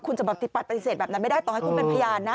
คุณจะปฏิเสธแบบนั้นไม่ได้ต้องให้คุณเป็นพยานนะ